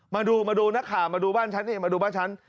มาดูมาดูนะค่ะมาดูบ้านฉันนี่มาดูบ้านฉัน